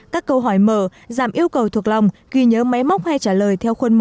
các câu hỏi mở giảm yêu cầu thuộc lòng ghi nhớ máy móc hay trả lời